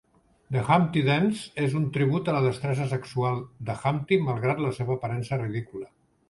"The Humpty Dance" és un tribut a la destresa sexual de Humpty malgrat la seva aparença ridícula.